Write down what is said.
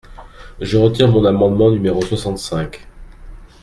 Je retire mon amendement numéro soixante-cinq.